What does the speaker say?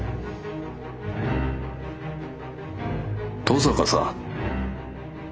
登坂さん